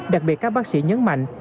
đặc biệt các bác sĩ nhấn mạnh